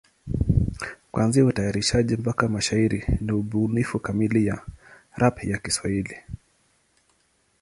Kuanzia utayarishaji mpaka mashairi ni ubunifu kamili ya rap ya Kiswahili.